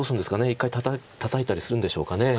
一回タタいたりするんでしょうか。